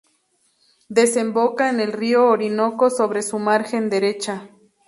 Desemboca en el río Orinoco sobre su margen derecha.